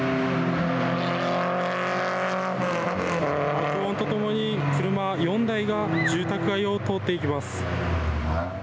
爆音とともに車４台が住宅街を通っていきます。